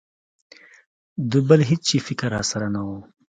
د بل هېڅ شي فکر را سره نه و.